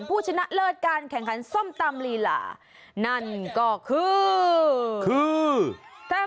ผู้ชนะเลิศการแข่งขันส้มตำลีลานั่นก็คือคือแฟน